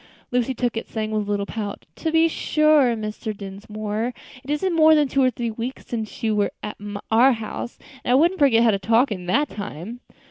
Lucy took it, saying with a little pout, "To be sure, Mr. Dinsmore, it isn't more than two or three weeks since you were at our house, and I wouldn't forget how to talk in that time."